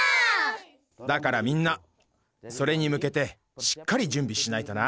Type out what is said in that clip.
だからみんなそれにむけてしっかりじゅんびしないとな。